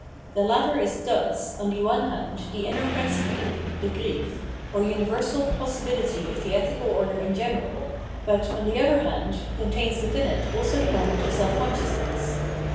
The latter is thus, on the one hand, the inner principle (Begriff) or universal possibility of the ethical order in general, but, on the other hand, contains within it also the moment of self consciousness.